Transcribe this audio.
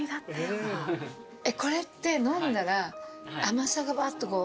これって飲んだら甘さがバッとこう。